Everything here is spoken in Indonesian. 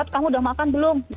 kamu udah makan belum